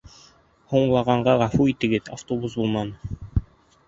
Һуңлағанға ғәфү итегеҙ, автобус булманы